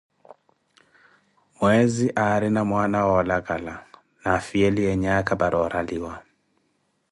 Mweezi aarina mwaana wolakala, ni afhiyeliye nyakha para oraliwa.